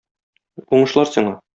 Уңышлар сиңа!